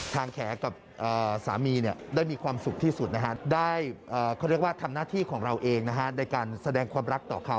แขกับสามีได้มีความสุขที่สุดนะฮะได้เขาเรียกว่าทำหน้าที่ของเราเองในการแสดงความรักต่อเขา